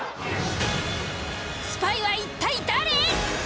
スパイは一体誰！？